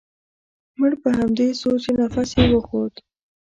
مړ په همدې سو چې نفس يې و خوت.